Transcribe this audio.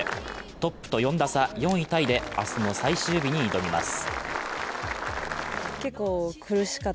トップと４打差、４位タイで明日の最終日に挑みます。